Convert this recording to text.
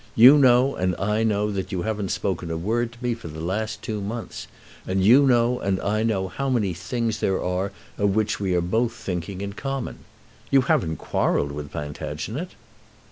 You know, and I know, that you haven't spoken a word to me for the last two months. And you know, and I know, how many things there are of which we are both thinking in common. You haven't quarrelled with Plantagenet?"